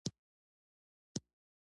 قدرت خپل منطق اصالت قایل دی.